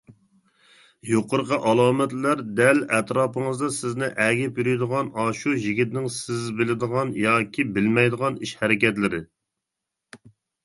يۇقىرىقى ئالامەتلەر دەل ئەتراپىڭىزدا سىزنى ئەگىپ يۈرىدىغان، ئاشۇ يىگىتنىڭ سىز بىلىدىغان ياكى بىلمەيدىغان ئىش ھەرىكەتلىرى.